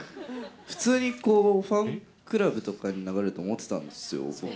普通にこう、ファンクラブとかに流れると思ってたんですよ、僕。